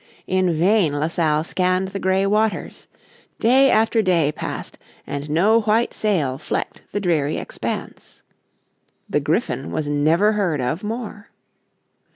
In vain La Salle scanned the grey waters. Day after day passed, and no white sail flecked the dreary expanse. The Griffin was never heard of more.